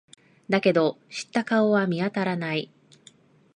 だけど、知った顔は見当たらない。